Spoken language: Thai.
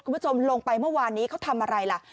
คุณผู้ชมลงไปเมื่อวานนี้เขาทำอะไรล่ะ